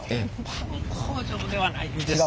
パン工場ではないんですわ。